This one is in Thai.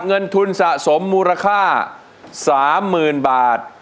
เงินทุนสะสมมูลค่า๓๐๐๐บาท